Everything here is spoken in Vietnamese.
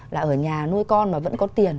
là ở nhà nuôi con mà vẫn có tiền